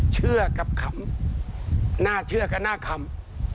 เชื่อกับคำน่าเชื่อกับหน้าคำ